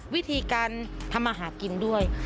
วิธีการทำอาหารกินด้วย